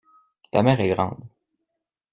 Ta mère est grande.